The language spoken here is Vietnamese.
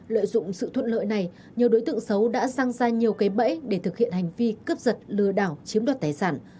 lợi dụng sự thuận lợi này nhiều đối tượng xấu đã sang ra nhiều cái bẫy để thực hiện hành vi cướp giật lừa đảo chiếm đoạt tài sản